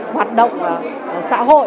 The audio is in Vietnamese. hoạt động xã hội